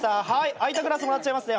空いたグラスもらっちゃいますね。